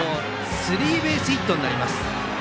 スリーベースヒットになります。